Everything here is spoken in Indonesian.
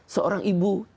seorang ibu jamu gendong